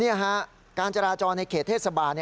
นี่ฮะการจราจรในเขตเทศบาล